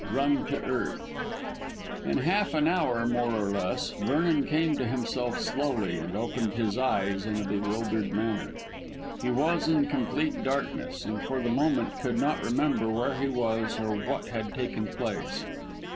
RUN TO EARTH. In half an hour, more or less, Vernon came to himself slowly, and opened his eyes in a bewildered manner. He was in complete darkness, and for the moment could not remember where he was or what had taken place.